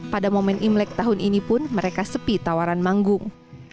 pada momen imlek tahun ini pun mereka sepi tawaran manggung